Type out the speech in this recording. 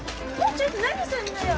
ちょっと何すんのよ